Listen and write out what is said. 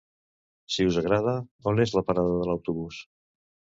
Si us agrada, on és la parada de l'autobús?